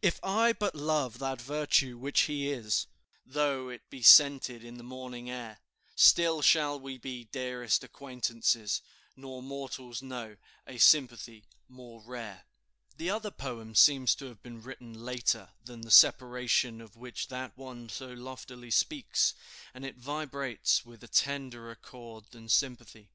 "If I but love that virtue which he is, Though it be scented in the morning air, Still shall we be dearest acquaintances, Nor mortals know a sympathy more rare." The other poem seems to have been written later than the separation of which that one so loftily speaks; and it vibrates with a tenderer chord than sympathy.